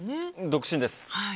独身です。